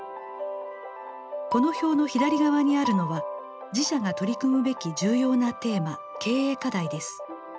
この表の左側にあるのは自社が取り組むべき重要なテーマ経営課題です。